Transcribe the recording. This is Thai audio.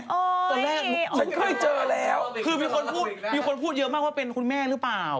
ตอนแรกฉันเคยเจอแล้วคือมีคนพูดมีคนพูดเยอะมากว่าเป็นคุณแม่หรือเปล่า